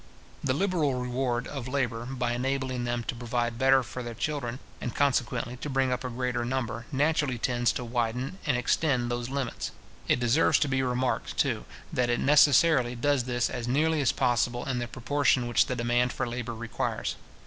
The liberal reward of labour, by enabling them to provide better for their children, and consequently to bring up a greater number, naturally tends to widen and extend those limits. It deserves to be remarked, too, that it necessarily does this as nearly as possible in the proportion which the demand for labour requires.